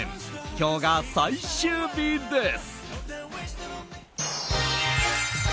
今日が最終日です。